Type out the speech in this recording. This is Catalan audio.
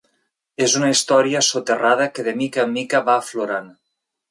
És una història soterrada que de mica en mica va aflorant.